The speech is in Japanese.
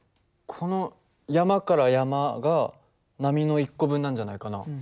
この山から山が波の１個分なんじゃないかな？